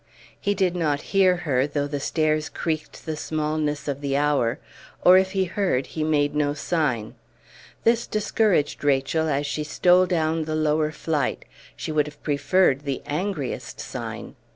He did not hear her, though the stairs creaked the smallness of the hour or if he heard he made no sign. This discouraged Rachel as she stole down the lower flight; she would have preferred the angriest sign.